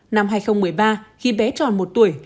năm hai nghìn một mươi ba khi bé tròn một tuổi